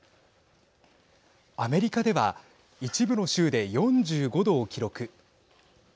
アメリカでは一部の州で４５度を記録。